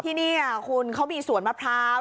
ที่นี่คุณเขามีสวนมะพร้าว